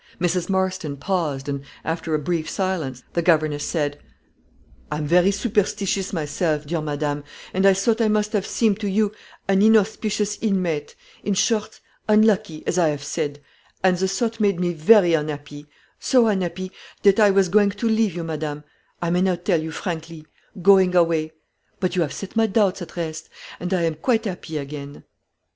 Mrs. Marston paused, and, after a brief silence, the governess said: "I am very superstitious myself, dear madame, and I thought I must have seemed to you an inauspicious inmate in short, unlucky as I have said; and the thought made me very unhappy so unhappy, that I was going to leave you, madame I may now tell you frankly going away; but you have set my doubts at rest, and I am quite happy again."